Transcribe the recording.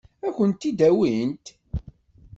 Ad kent-t-id-awint?